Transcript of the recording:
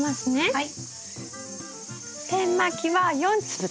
はい。